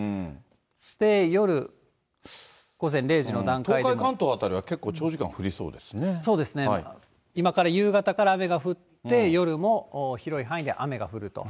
そして夜、東海、関東辺りは結構長時間そうですね、今から、夕方から雨が降って、夜も広い範囲で雨が降ると。